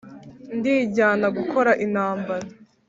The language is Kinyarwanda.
ndijyana gukora intambara